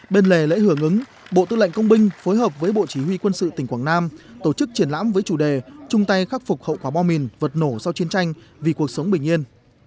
bên lề lễ hưởng ứng bộ tư lệnh công binh phối hợp với bộ chỉ huy quân sự tỉnh quảng nam tổ chức triển lãm với chủ đề chung tay khắc phục hậu quả bom mìn vật nổ sau chiến tranh vì cuộc sống bình yên